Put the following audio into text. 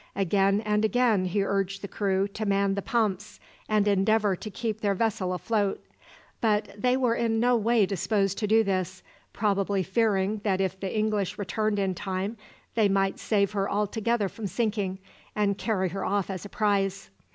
Again and again he urged the crew to man the pumps, and endeavour to keep their vessel afloat, but they were in no way disposed to do this, probably fearing that if the English returned in time, they might save her altogether from sinking, and carry her off as a prize.